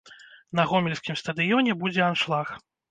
На гомельскім стадыёне будзе аншлаг.